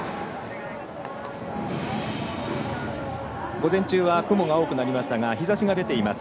午前中は雲が多くなりましたが日ざしが出ています。